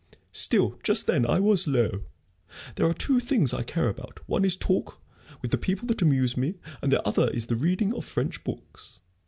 Still, just then I was low. There are two things I care about one is talk, with the people that amuse me, and the other is the reading of French books.